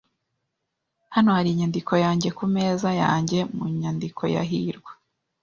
Hano hari inyandiko yanjye ku meza yanjye mu nyandiko ya hirwa.